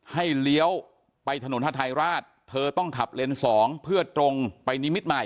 เลี้ยวไปถนนฮาทายราชเธอต้องขับเลนส์๒เพื่อตรงไปนิมิตใหม่